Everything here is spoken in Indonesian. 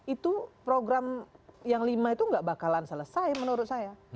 itu program yang lima itu nggak bakalan selesai menurut saya